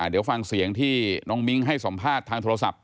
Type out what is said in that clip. เดี๋ยวฟังเสียงที่น้องมิ้งให้สัมภาษณ์ทางโทรศัพท์